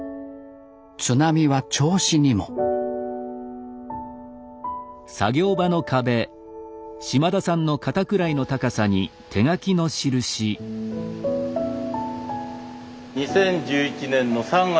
津波は銚子にも２０１１年の３月１１日。